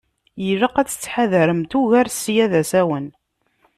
Ilaq ad tettḥadaremt ugar, ssya d asawen.